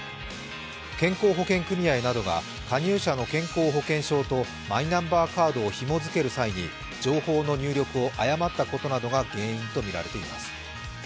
健康保険組合などが加入者の健康保険証とマイナンバーカードをひも付ける際に情報の入力を誤ったことなどが原因とみられます。